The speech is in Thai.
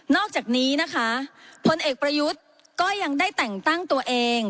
อกจากนี้นะคะพลเอกประยุทธ์ก็ยังได้แต่งตั้งตัวเอง